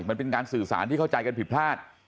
มันเป็นการสื่อสารที่เข้าใจกันผิดพลาด